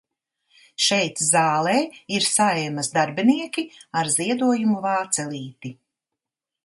Šeit zālē ir Saeimas darbinieki ar ziedojumu vācelīti.